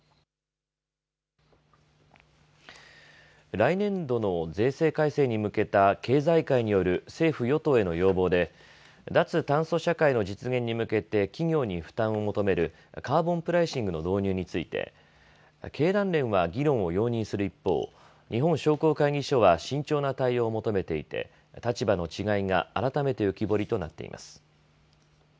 来年度の税制改正に向けた経済界による政府・与党への要望で、脱炭素社会の実現に向けて、企業に負担を求めるカーボンプライシングの導入について、経団連は議論を容認する一方、日本商工会議所は慎重な対応を求めていて、立場の違いが改めて浮き彫りとなっています。